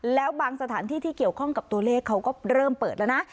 แล้วบางสถานที่ที่เกี่ยวข้องกับตัวเลขเขาก็เริ่มเปิดแล้วนะ